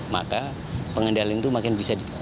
maka pengendalian itu makin bisa